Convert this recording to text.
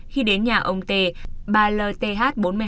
khi đến nhà ông t ba lth bốn mươi hai